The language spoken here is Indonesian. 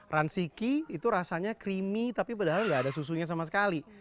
ransiki itu rasanya creamy tapi padahal gak ada susunya sama sekali